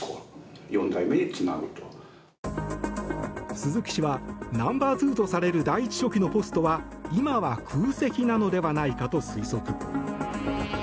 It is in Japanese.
鈴木氏はナンバーツーとされる第１書記のポストは今は空席なのではないかと推測。